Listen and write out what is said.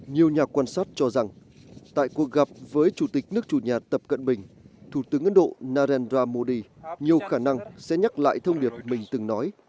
nhiều nhà quan sát cho rằng tại cuộc gặp với chủ tịch nước chủ nhà tập cận bình thủ tướng ấn độ narendra modi nhiều khả năng sẽ nhắc lại thông điệp mình từng nói